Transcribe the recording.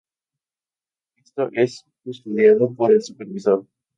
Todo esto es custodiado por el supervisor.